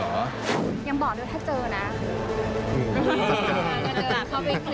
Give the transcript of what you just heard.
ยังบอกด้วยถ้าเจอนะ